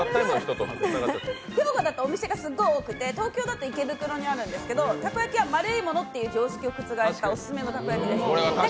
兵庫だとお店がすごく多くて東京だと池袋にあるんですけど、たこ焼きは丸いものという常識をくつがえしたオススメのたこ焼きです。